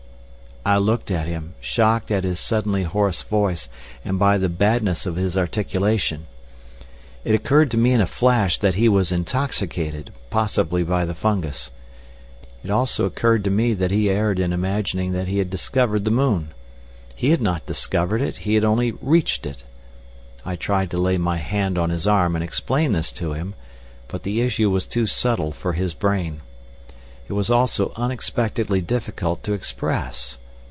I looked at him, shocked at his suddenly hoarse voice, and by the badness of his articulation. It occurred to me in a flash that he was intoxicated, possibly by the fungus. It also occurred to me that he erred in imagining that he had discovered the moon; he had not discovered it, he had only reached it. I tried to lay my hand on his arm and explain this to him, but the issue was too subtle for his brain. It was also unexpectedly difficult to express.